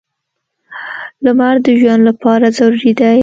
• لمر د ژوند لپاره ضروري دی.